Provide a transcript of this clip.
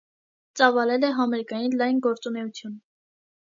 Ծավալել է համերգային լայն գործունեություն։